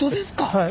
はい。